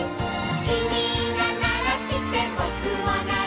「きみがならしてぼくもなる」